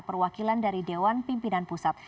perwakilan dari dewan pimpinan pusat